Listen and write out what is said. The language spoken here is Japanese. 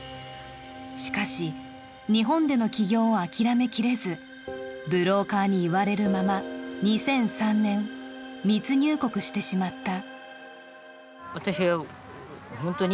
しかし、日本での起業を諦めきれずブローカーに言われるまま２００３年、密入国してしまった。